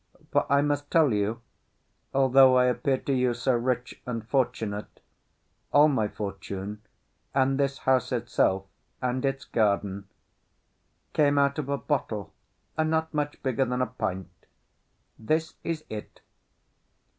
For, I must tell you, although I appear to you so rich and fortunate, all my fortune, and this house itself and its garden, came out of a bottle not much bigger than a pint. This is it."